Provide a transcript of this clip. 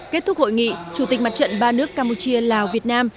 kết thúc hội nghị chủ tịch mặt trận ba nước campuchia lào việt nam